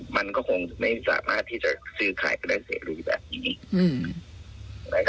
มันก็คงไม่สามารถที่จะซื้อขายไปแล้วเสรีแบบนี้